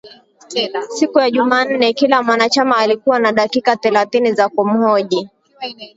Siku ya jumanne kila mwanachama alikuwa na dakika thelathini za kumhoji